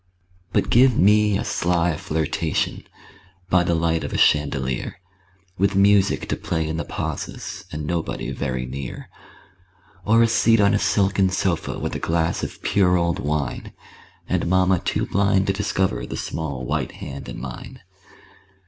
But give me a sly flirtation By the light of a chandelier With music to play in the pauses, And nobody very near; Or a seat on a silken sofa, With a glass of pure old wine, And mamma too blind to discover The small white hand in mine.